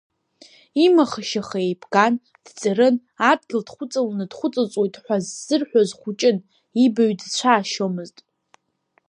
Имаха-шьаха еибган, дҵарын, адгьыл дхәыҵаланы дхәыҵыҵуеит ҳәа ззырҳәоз хәыҷын, ибаҩ дацәаашьомызт.